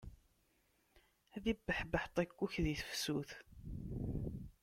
Ad ibbeḥbeḥ ṭikkuk di tefsut.